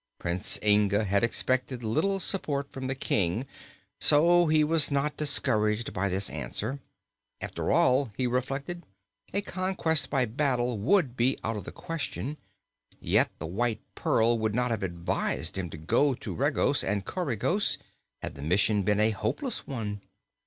Prince Inga had expected little support from the King, so he was not discouraged by this answer. After all, he reflected, a conquest by battle would be out of the question, yet the White Pearl would not have advised him to go to Regos and Coregos had the mission been a hopeless one.